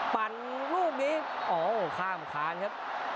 ปั่นลูกนี้อ๋อข้ามคานครับ